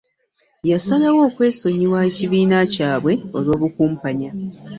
Yasalawo okwesonyiwa ekibiina ky'abwe olw'obukumpanya.